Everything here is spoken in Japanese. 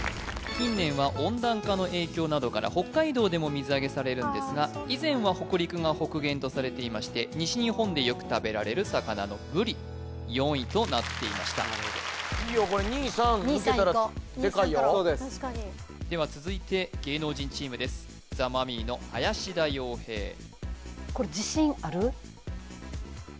近年は温暖化の影響などから北海道でも水揚げされるんですが以前は北陸が北限とされていまして西日本でよく食べられる魚のぶり４位となっていましたいいよこれ・そうです・確かにでは続いて芸能人チームですザ・マミィの林田洋平ある？